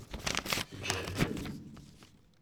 Tǧehdem?